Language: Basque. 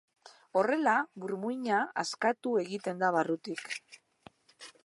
Horrela burmuina askatu egiten da burutik.